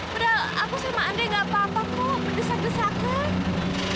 padahal aku sama andi gak apa apa kok berdesak desakan